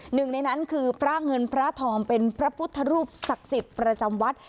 หนึ่งในนั้นคือพระเงินพระทองเป็นพระพุทธรูปศักดิ์สิทธิ์ประจำวัด